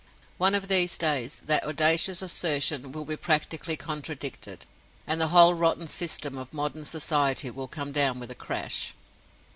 One of these days that audacious assertion will be practically contradicted, and the whole rotten system of modern society will come down with a crash."